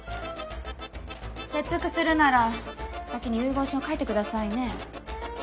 切腹するなら先に遺言書書いてくださいね。